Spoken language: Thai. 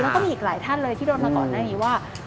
แล้วก็มีอีกหลายท่านเลยที่โดนมาก่อนหน้านี้ว่า